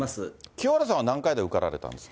清原さんは何回で受かられたんですか？